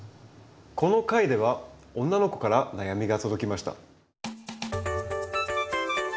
この回では女の子から悩みが届きました。